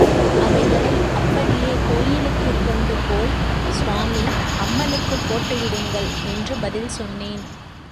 அவைகளை அப்படியே கோயிலுக்குக் கொண்டுபோய், ஸ்வாமி, அம்மனுக்குப் போட்டுவிடுங்கள்! என்று பதில் சொன்னேன்.